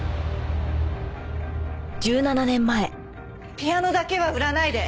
ピアノだけは売らないで！